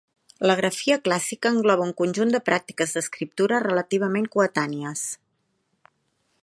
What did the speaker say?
La grafia clàssica engloba un conjunt de pràctiques d'escriptura relativament coetànies.